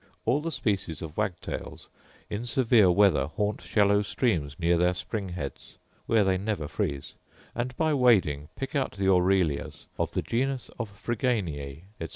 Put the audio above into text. All the species of wagtails in severe weather haunt shallow streams near their spring heads, where they never freeze; and, by wading, pick out the aurelias of the genus of Phryganeae,* etc.